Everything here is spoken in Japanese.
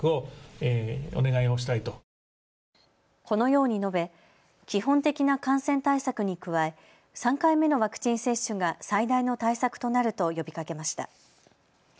このように述べ基本的な感染対策に加え３回目のワクチン接種が最大の対策となると呼びかけました。